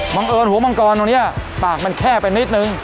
บังเอิญหัวมังกรตรงนี้ปากมันแคบไปนิดนึง